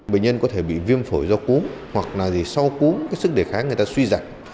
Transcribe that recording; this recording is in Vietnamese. bệnh nhân có thể bị viêm phổi do cúm hoặc là sau cúm sức đề khái người ta suy giặt